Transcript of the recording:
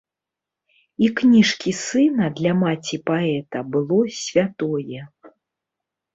І кніжкі сына для маці паэта было святое.